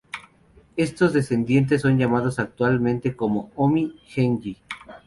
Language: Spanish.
Estos descendientes son llamados actualmente como Ōmi Genji.